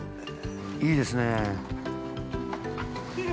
いいですねえ。